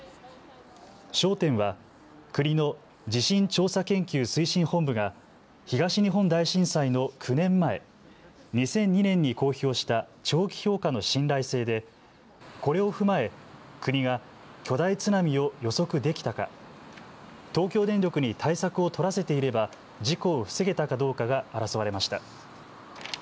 焦点は国の地震調査研究推進本部が東日本大震災の９年前、２００２年に公表した長期評価の信頼性で、これを踏まえ国が巨大津波を予測できたか東京電力に対策を取らせていれば事故を防げたかどうかが争われました。